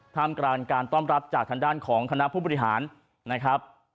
ท่ามกลางการต้อนรับจากทางด้านของคณะผู้บริหารนะครับ